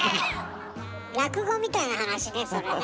落語みたいな話ねそれね。